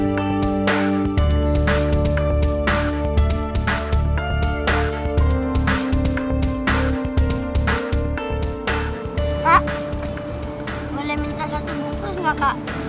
pak boleh minta satu bungkus gak kak